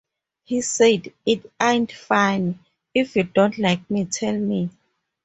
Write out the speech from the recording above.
He said, It ain't funny...if you don't like me, tell me.